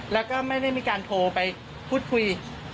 แล้วก็ไม่ได้มีการโทรไปพูดคุย